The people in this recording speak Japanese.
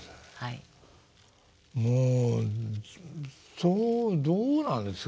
もうどうなんですか？